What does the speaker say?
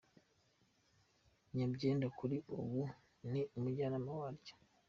Nyabyenda kuri ubu ni Umujyanama waryo.